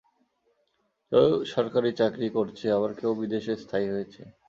কেউ সরকারি চাকরি করছে আবার কেউ বিদেশে স্থায়ী হয়েছে।